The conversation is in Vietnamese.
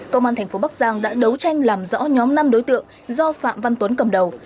công an thành phố bắc giang đã đấu tranh làm rõ nhóm năm đối tượng do phạm văn tuấn cầm đầu